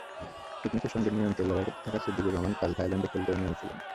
ফিটনেসের সঙ্গে নিরন্তর লড়তে করতে থাকা সিদ্দিকুর রহমান কাল থাইল্যান্ডে খেলতেও নেমেছিলেন।